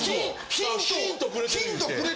ヒントくれてる言うて。